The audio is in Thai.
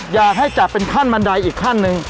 อยากให้จับเป็นขั้นบันไดอีกขั้นหนึ่ง